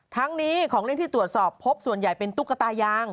ทั้งนี้ของเล่นที่ตรวจสอบพบส่วนใหญ่เป็นตุ๊กตายาง